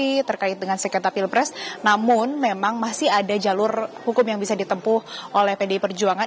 ini terkait dengan sekreta pilpres namun memang masih ada jalur hukum yang bisa ditempuh oleh pdi perjuangan